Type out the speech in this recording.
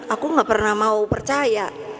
aku gak pernah mau percaya